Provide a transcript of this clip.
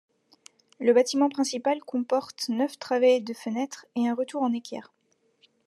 Le bâtiment principal comporte neuf travées de fenêtres et un retour en équerre.